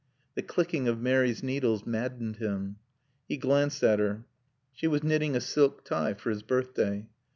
The clicking of Mary's needles maddened him. He glanced at her. She was knitting a silk tie for his birthday.